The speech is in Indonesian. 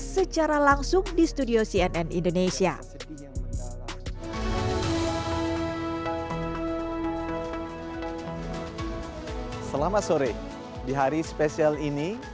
secara langsung di studio cnn indonesia selamat sore di hari spesial ini